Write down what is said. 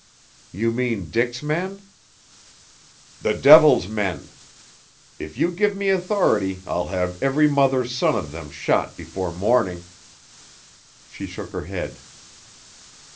"You mean Dick's men?" "The devil's men. If you give me authority, I'll have every mother's son of them shot before morning." She shook her head.